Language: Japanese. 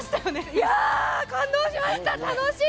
いやぁ、感動しました、楽しい！